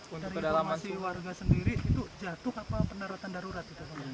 untuk penyelamatan warga sendiri itu jatuh apa penerobatan darurat